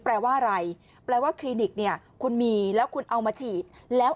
แปลว่าอะไรแปลว่าคลินิกเนี่ยคุณมีแล้วคุณเอามาฉีดแล้ว